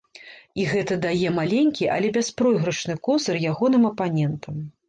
І гэта дае маленькі, але бяспройгрышны козыр ягоным апанентам.